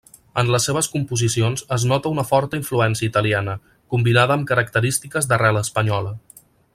En les seves composicions es nota una forta influència italiana, combinada amb característiques d'arrel espanyola.